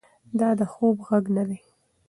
دا د خوب غږ نه دی.